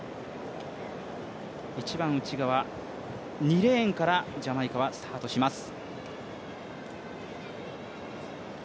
一番内側、２レーンからジャマイカはスタートします。